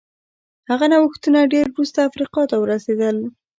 هغه نوښتونه ډېر وروسته افریقا ته ورسېدل.